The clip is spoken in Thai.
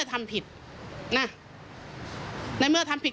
โยต้องกล้าภาษณ์อยากให้คุณผู้ชมได้ฟัง